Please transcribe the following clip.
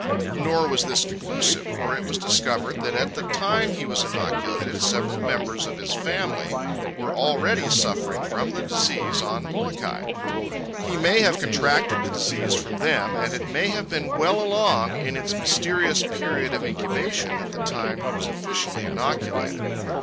Nor was this conclusive, for it was discovered that at the time he was inoculated several members of his family were already suffering from the disease on Molokai. He may have contracted the disease from them, and it may have been well along in its mysterious period of incubation at the time he was officially inoculated.